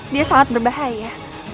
dia sangat berbahaya